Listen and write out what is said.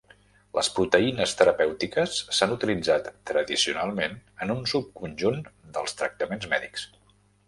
Les proteïnes terapèutiques s'han utilitzat tradicionalment en un subconjunt dels tractaments mèdics.